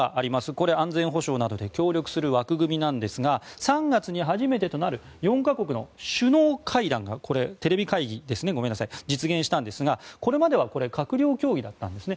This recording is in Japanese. これ安全保障などで協力する枠組みなんですが３月に初めてとなる４か国の首脳会談がこれ、テレビ会議で実現したんですがこれまでは閣僚協議だったんですね。